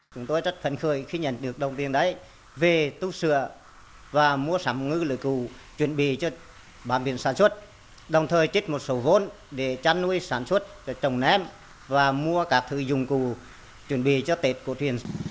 chúng tôi rất phấn khởi khi nhận được đồng tiền đấy về tu sửa và mua sắm ngư lưỡi củ chuẩn bị cho bàn biển sản xuất đồng thời chết một sổ vôn để chăn nuôi sản xuất trồng ném và mua các thứ dùng củ chuẩn bị cho tết cổ truyền